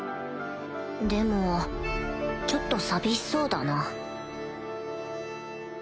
でもちょっと寂しそうだな